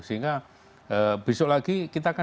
sehingga besok lagi kita akan